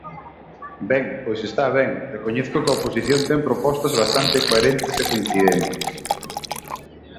Ben, pois está ben, recoñezo que a oposición ten propostas bastante coherentes e coincidentes.